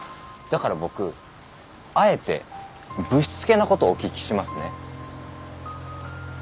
だから僕あえてぶしつけなことお聞きしますね。